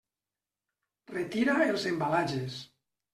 Retira els embalatges.